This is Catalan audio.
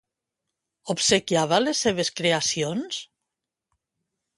Obsequiava les seves creacions?